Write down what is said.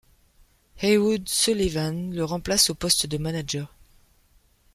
Haywood Sullivan le remplace au poste de manager.